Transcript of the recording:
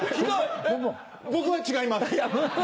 僕は違います。